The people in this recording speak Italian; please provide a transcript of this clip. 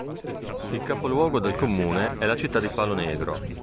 Il capoluogo del comune è la città di Palo Negro.